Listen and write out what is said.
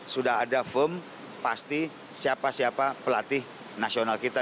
sudah ada firm pasti siapa siapa pelatih nasional kita